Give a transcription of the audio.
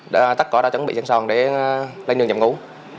đã tắt cỏ đã chuẩn bị dẫn sòn để lên đường nhậm ngũ